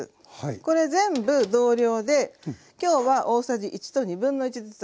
これ全部同量で今日は大さじ１1/2ずつ入ってます。